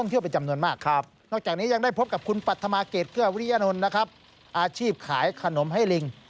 รับอาชีพขายขนมให้ลิง